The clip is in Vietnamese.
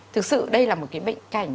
thực sự đây là một cái bệnh cảnh